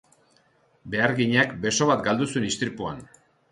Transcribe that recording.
Beharginak beso bat galdu zuen istripuan.